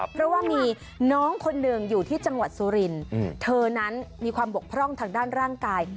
เพราะว่ามีน้องคนหนึ่งอยู่ที่จังหวัดสุรินทร์เธอนั้นมีความบกพร่องทางด้านร่างกาย